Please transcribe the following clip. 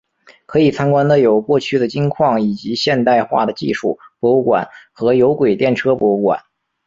可以参观的有过去的金矿以及现代化的技术博物馆和有轨电车博物馆。